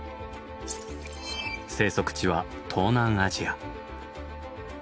生息地は東南アジア。